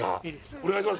お願いします